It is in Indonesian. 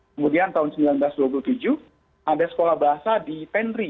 kemudian tahun seribu sembilan ratus dua puluh tujuh ada sekolah bahasa di penri